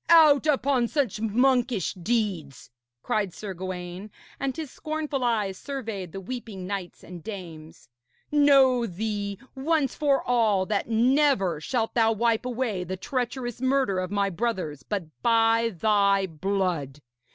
'Out upon such monkish deeds!' cried Sir Gawaine, and his scornful eyes surveyed the weeping knights and dames. 'Know thee, once for all, that never shalt thou wipe away the treacherous murder of my brothers but by thy blood.